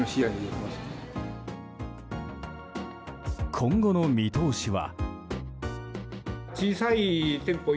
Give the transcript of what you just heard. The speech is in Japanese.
今後の見通しは。